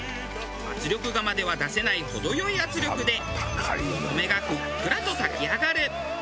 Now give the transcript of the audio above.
圧力釜では出せない程良い圧力でお米がふっくらと炊き上がる。